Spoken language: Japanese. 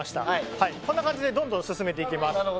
はいこんな感じでどんどん進めていきます